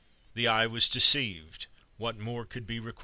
The eye was deceived: what more could be required?